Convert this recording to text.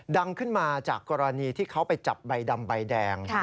ดังขึ้นมาจากกรณีที่เขาไปจับใบดำใบแดง